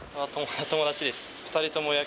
友達です。